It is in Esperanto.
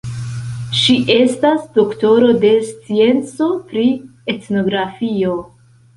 Ŝi estas doktoro de scienco pri etnografio.